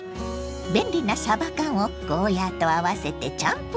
便利なさば缶をゴーヤーと合わせてチャンプルーに。